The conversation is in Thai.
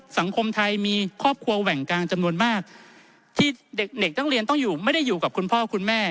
สังคมไทยมีครอบครัวแหว่งกลางจำนวนมากที่เด็กนักเรียนต้องอยู่ไม่ได้อยู่กับคุณพ่อคุณแม่